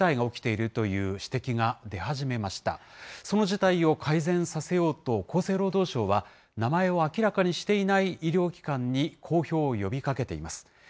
その事態を改善させようと、厚生労働省は名前を明らかにしていない医療機関に公表を呼びかけています。